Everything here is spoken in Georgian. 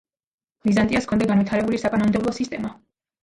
ბიზანტიას ჰქონდა განვითარებული საკანონმდებლო სისტემა.